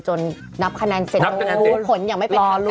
จนนับคะแนนเสร็จผลยังไปการ